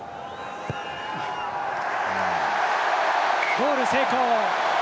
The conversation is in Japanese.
ゴール成功。